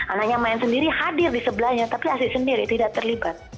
anaknya main sendiri hadir di sebelahnya tapi asis sendiri tidak terlibat